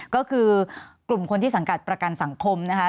ก็คือกลุ่มคนที่สังกัดประกันสังคมนะคะ